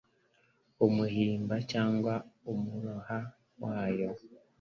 Umuhimba cyangwa umuroha wayo